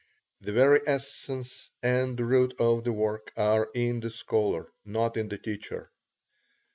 The very essence and root of the work are in the scholar, not in the teacher.